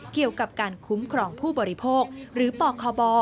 เกี่ยวกับการคุ้มครองผู้บริโภคหรือปคบ